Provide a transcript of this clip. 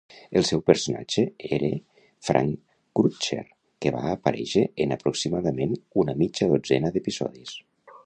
El seu personatge era Frank Crutcher, que va aparèixer en aproximadament una mitja dotzena d'episodis.